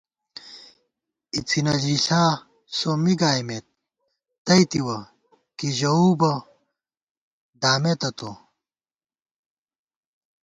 اِڅِنہ ژِݪاں سومّی گائیمېت تَئیتِوَہ، کی ژَؤو بہ دامېتہ تو